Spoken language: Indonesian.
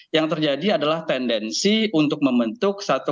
yang terjadi adalah tendensi untuk membentuk satu